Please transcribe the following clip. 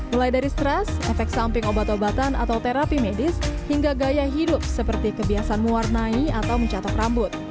mulai dari stres efek samping obat obatan atau terapi medis hingga gaya hidup seperti kebiasaan mewarnai atau mencatat rambut